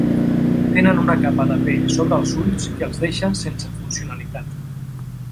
Tenen una capa de pell a sobre dels ulls que els deixa sense funcionalitat.